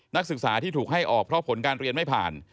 นักศึกษาที่ถูกให้ออกเพราะผลการเรียนไม่ผ่าน